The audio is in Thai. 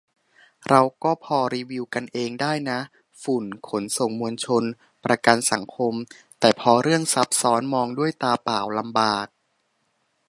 เราก็พอรีวิวกันเองได้นะ ฝุ่น ขนส่งมวลชน ประกันสังคม แต่พอเรื่องซับซ้อนมองด้วยตาเปล่าลำบาก